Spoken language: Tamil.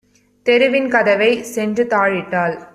தெருவின் கதவைச் சென்றுதாழ் இட்டாள்.